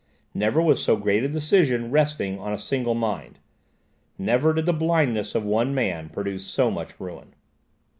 Never was so great a decision resting on a single mind; never did the blindness of one man produce so much ruin.